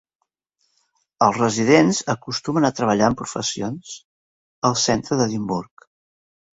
Els residents acostumen a treballar en professions al centre d'Edimburg.